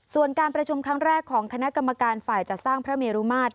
ส่วนการประชุมครั้งแรกของคณะกรรมการฝ่ายจัดสร้างพระเมรุมาตร